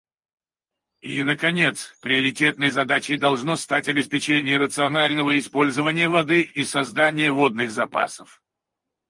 И, наконец, приоритетной задачей должно стать обеспечение рационального использования воды и создания водных запасов.